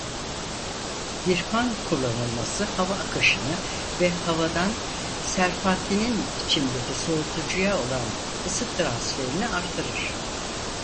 Bir fan kullanılması hava akışını ve havadan serpantinin içindeki soğutucuya olan ısı transferini arttırır.